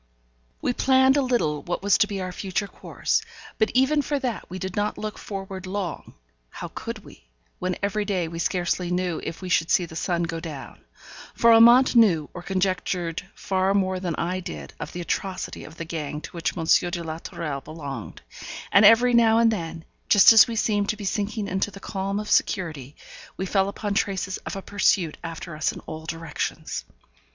We planned a little what was to be our future course; but even for that we did not look forward long; how could we, when every day we scarcely knew if we should see the sun go down? For Amante knew or conjectured far more than I did of the atrocity of the gang to which M. de la Tourelle belonged; and every now and then, just as we seemed to be sinking into the calm of security, we fell upon traces of a pursuit after us in all directions.